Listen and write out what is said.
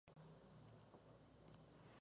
Habita en Nueva Escocia.